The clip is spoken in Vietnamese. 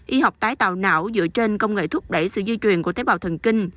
y học tái tạo não dựa trên công nghệ thúc đẩy sự di truyền của tế bào thần kinh